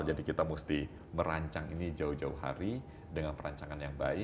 jadi kita mesti merancang ini jauh jauh hari dengan perancangan yang baik